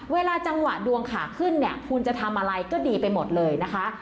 เวลาจังหวะดวงขาขึ้นเนี่ยคุณจะทำอะไรก็ดีไปหมดเลยนะคะ